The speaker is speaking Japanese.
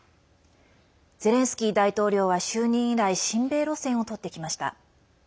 ゼレンスキー大統領は就任以来親米路線をとってきました。